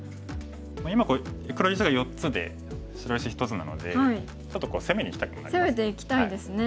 今これ黒石が４つで白石１つなのでちょっと攻めにいきたくなりますね。